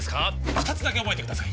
二つだけ覚えてください